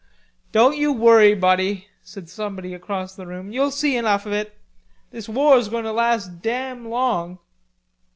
"Don't you worry, buddy," said somebody across the room. "You'll see enough of it. This war's going to last damn long...."